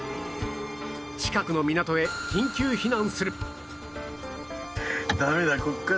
近くの港へ緊急避難する